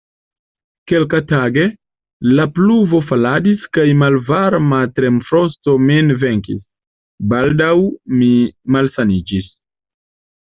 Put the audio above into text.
Kelkatage, la pluvo faladis kaj malvarma tremfrosto min venkis; baldaŭ mi malsaniĝis.